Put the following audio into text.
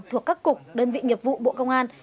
thuộc các cục đơn vị nghiệp vụ bộ công an